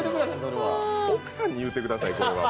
奥さんに言うてください。